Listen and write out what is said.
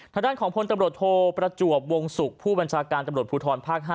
ทางด้านของพลตำรวจโทประจวบวงศุกร์ผู้บัญชาการตำรวจภูทรภาค๕